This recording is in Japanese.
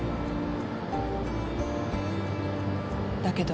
だけど。